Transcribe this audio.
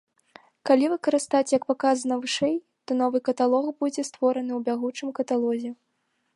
Калі выкарыстаць як паказана вышэй, то новы каталог будзе створаны ў бягучым каталозе.